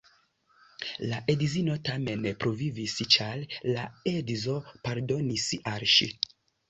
La edzino tamen pluvivis, ĉar la edzo pardonis al ŝi.